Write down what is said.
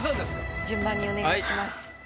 順番にお願いします。